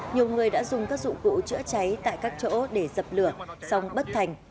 nhiều người đã dùng các dụng cụ chữa cháy tại các chỗ để dập lửa xong bất thành